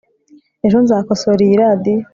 ejo nzakosora iyi radio